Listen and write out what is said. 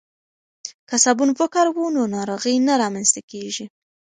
که صابون وکاروو نو ناروغۍ نه رامنځته کیږي.